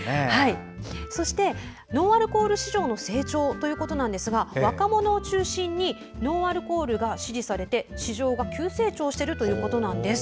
そして、ノンアルコール市場の成長ということですが若者を中心にノンアルコールが支持されて市場が急成長しているということなんです。